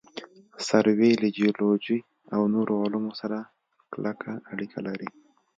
سروې له جیولوجي او نورو علومو سره کلکه اړیکه لري